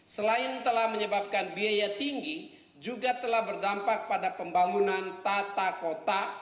selain telah menyebabkan biaya tinggi juga telah berdampak pada pembangunan tata kota